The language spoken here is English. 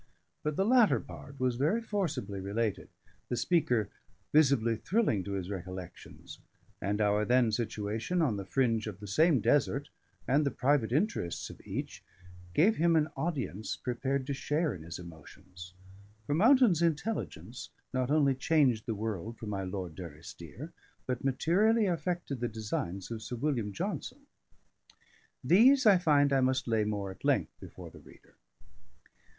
But the latter part was very forcibly related, the speaker visibly thrilling to his recollections; and our then situation, on the fringe of the same desert, and the private interests of each, gave him an audience prepared to share in his emotions. For Mountain's intelligence not only changed the world for my Lord Durrisdeer, but materially affected the designs of Sir William Johnson. These I find I must lay more at length before the reader.